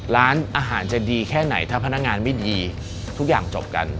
ร้านอาหารจะดีแค่ไหนถ้าพนักงานไม่ดีทุกอย่างจบกัน